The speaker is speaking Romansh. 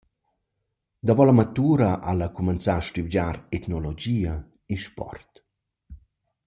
Davo la matura ha ella cumanzà a stübgiar etnologia e sport.